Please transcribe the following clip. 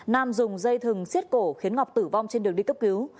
nam dùng dây thừng xiết cổ khiến ngọc tử vong trên đường đi cấp cứu